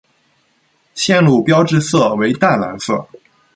线路标志色为淡蓝色。